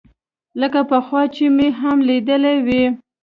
لکه پخوا چې مې هم ليدلى وي.